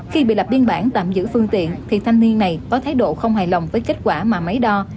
khi bị lập biên bản tạm giữ phương tiện thì thanh niên này có thái độ không hài lòng với kết quả mà máy đo